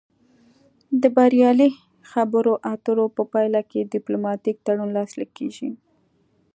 د بریالۍ خبرو اترو په پایله کې ډیپلوماتیک تړون لاسلیک کیږي